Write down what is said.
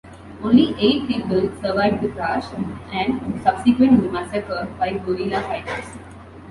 Only eight people survived the crash and the subsequent massacre by guerrilla fighters.